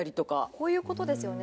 こういう事ですよね。